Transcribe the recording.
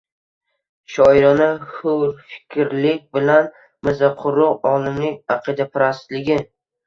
Shoirona hurfikrlik bilan mirzaquruq olimlik aqidaparastligi.